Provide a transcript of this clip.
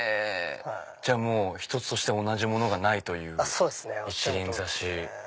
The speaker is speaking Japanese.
じゃあ一つとして同じものがない一輪挿し。